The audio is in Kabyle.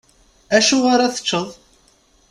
Acu ara teččeḍ?